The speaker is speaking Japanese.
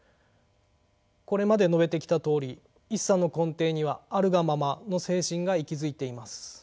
これまで述べてきたとおり一茶の根底には「あるがまま」の精神が息づいています。